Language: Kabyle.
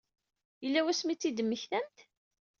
Yella wasmi i tt-id-temmektamt?